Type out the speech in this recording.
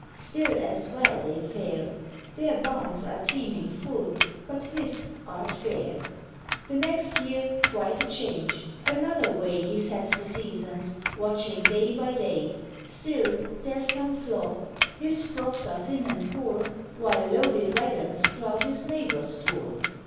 Still as well they fare; Their barns are teeming full; but his art bare. The next year quite a change; another way He sets the seasons, watching day by day: Still, there's some flaw his crops are thin and poor, While loaded waggons crowd his neighbour's door.